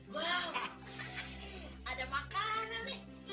wow ada makanan